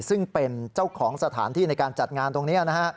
ซึ่งเป็นเจ้าของสถานที่ในการจัดงานตรงนี้นะฮะ